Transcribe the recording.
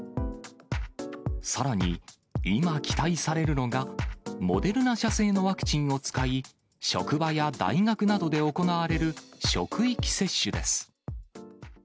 さらに、今期待されるのが、モデルナ社製のワクチンを使い、職場や大学などで行われる職域接種です。